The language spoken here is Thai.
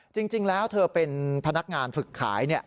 จริงแล้วเธอเป็นพนักงานฝึกขาย